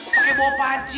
pake bau panci